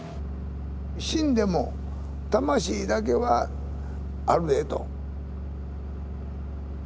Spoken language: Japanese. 死んでも魂だけはあるでと。